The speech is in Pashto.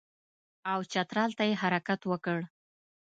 او چترال ته یې حرکت وکړ.